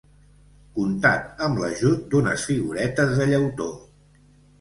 Contat amb l'ajut d'unes figuretes de llautó.